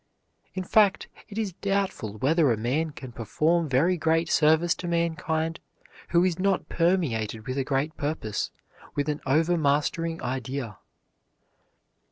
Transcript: In fact it is doubtful whether a man can perform very great service to mankind who is not permeated with a great purpose with an overmastering idea.